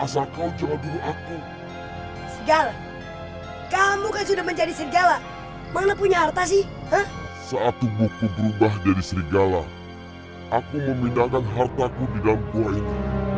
saat tubuhku berubah jadi serigala aku memindahkan hartaku di dalam buah ini